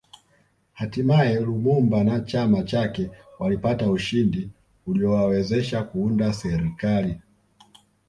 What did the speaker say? Hatimae Lumumba na chama chake walipata ushindi uliowawezesha Kuunda serikali